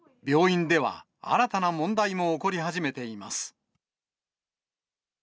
病院では、新たな問題も起こり始めています。